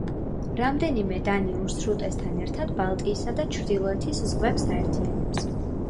რამდენიმე დანიურ სრუტესთან ერთად ბალტიისა და ჩრდილოეთის ზღვებს აერთიანებს.